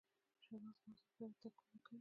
چارمغز د مغزو په پياوړتيا کې کمک کوي.